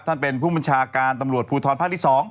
ท่านเป็นผู้บัญชาการตำรวจภูทรภาคที่๒